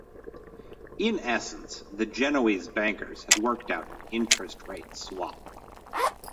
In essence, the Genoese bankers had worked out an interest rate swap.